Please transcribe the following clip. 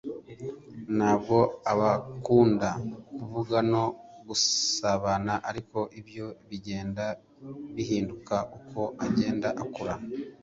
ntabwo abakunda kuvuga no gusabana ariko ibyo bigenda bihinduka uko agenda akura